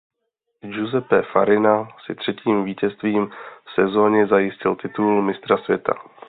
Giuseppe Farina si třetím vítězstvím v sezóně zajistil titul mistra světa.